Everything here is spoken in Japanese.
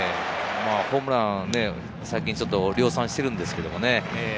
ホームランを最近ちょっと量産してるんですけどね。